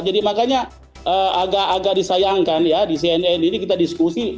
jadi makanya agak agak disayangkan ya di cnn ini kita diskusi